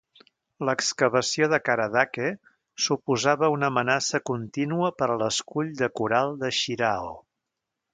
L'excavació de Karadake suposava una amenaça contínua per a l'escull de coral de Shiraho.